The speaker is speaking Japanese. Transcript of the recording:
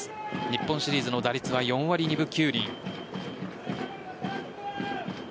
日本シリーズの打率は４割２分９厘。